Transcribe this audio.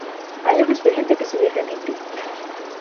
Hai un expediente que se lle remite.